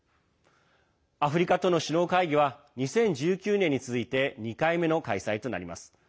アフリカとの首脳会議は２０１９年に続いて２回目の開催となります。